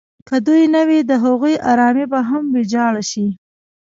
که دوی نه وي د هغوی ارامي به هم ویجاړه شي.